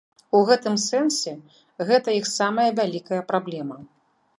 У гэтым сэнсе гэта іх самая вялікая праблема.